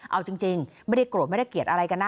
เอาจริงไม่ได้โกรธไม่ได้เกลียดอะไรกันนะ